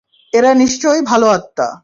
এরা নিশ্চয় ভালো আত্মা!